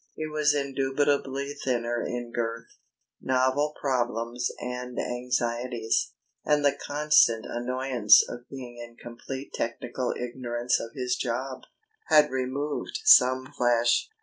He was indubitably thinner in girth; novel problems and anxieties, and the constant annoyance of being in complete technical ignorance of his job, had removed some flesh.